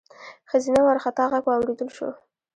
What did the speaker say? ښځينه وارخطا غږ واورېدل شو: